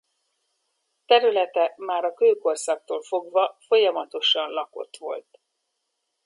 Területe már a kőkorszaktól fogva folyamatosan lakott volt.